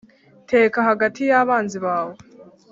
Tegeka hagati y’abanzi bawe.